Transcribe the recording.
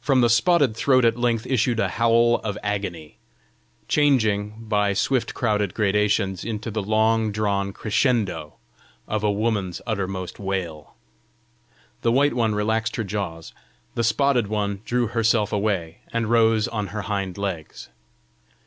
From the spotted throat at length issued a howl of agony, changing, by swift crowded gradations, into the long drawn CRESCENDO of a woman's uttermost wail. The white one relaxed her jaws; the spotted one drew herself away, and rose on her hind legs.